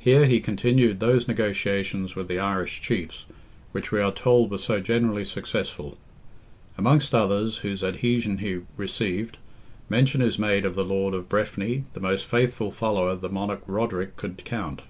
Here he continued those negotiations with the Irish chiefs, which we are told were so generally successful. Amongst others whose adhesion he received, mention is made of the lord of Breffni, the most faithful follower the Monarch Roderick could count.